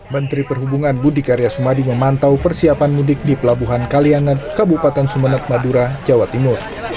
menteri perhubungan budi karya sumadi memantau persiapan mudik di pelabuhan kaliangan kabupaten sumeneb madura jawa timur